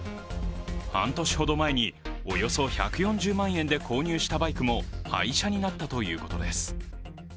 半年ほど前におよそ１４０万円で購入したバイクも廃車になったということです。